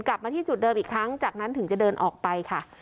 กลับมาที่จุดเดิมอีกครั้งจากนั้นถึงจะเดินออกไปค่ะ